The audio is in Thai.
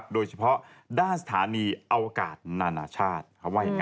โดยเฉพาะด้านสถานีอวกาศนานาชาติ